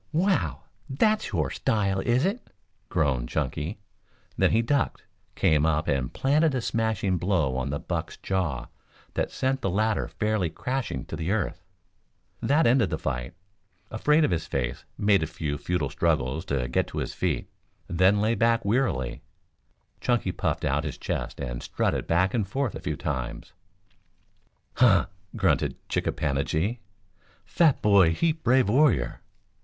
"Wow! That's your style, is it?" groaned Chunky, then he ducked, came up and planted a smashing blow on the buck's jaw that sent the latter fairly crashing to earth. That ended the fight. Afraid Of His Face made a few futile struggles to get to his feet, then lay back wearily. Chunky puffed out his chest and strutted back and forth a few times. "Huh!" grunted Chick a pan a gi. "Fat boy heap brave warrior."